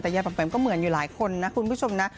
แต่ยายแปมก็เหมือนอยู่หลายคนนะคุณผู้ชมนะ